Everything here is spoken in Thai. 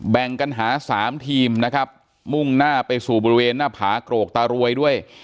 แบ่งกันหาสามทีมนะครับมุ่งหน้าไปสู่บริเวณหน้าผาโกรกตารวยด้วย